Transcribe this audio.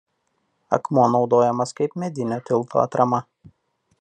Akmuo naudojamas kaip medinio tilto atrama.